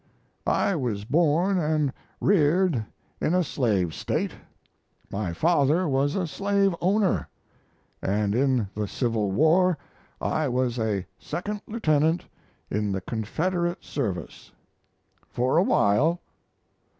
I was born and reared in a slave State, my father was a slaveowner; and in the Civil War I was a second lieutenant in the Confederate service. For a while.